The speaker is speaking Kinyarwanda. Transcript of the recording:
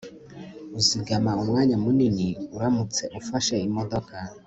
uzigama umwanya munini uramutse ufashe imodoka